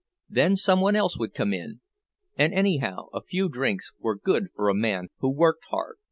Then some one else would come in—and, anyhow, a few drinks were good for a man who worked hard.